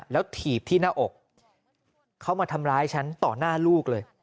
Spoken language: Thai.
แล้วถีบที่หน้าอกเขามาทำร้ายฉันต่อหน้าลูกเลย